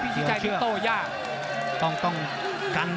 พี่ชิชชัยทิ้งโต้ยาก